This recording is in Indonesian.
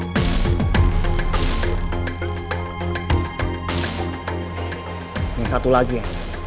ini satu lagi ya